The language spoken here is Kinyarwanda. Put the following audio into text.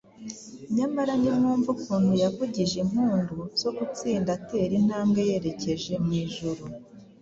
nyamara nimwumve ukuntu yavugije impundu zo gutsinda atera intambwe yerekeje mu ijuru.